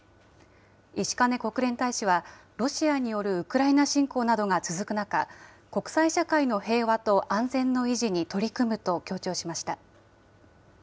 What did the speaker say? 石兼国連大使は、ロシアによるウクライナ侵攻などが続く中、国際社会の平和と安全の維持に取り組むと強調しました。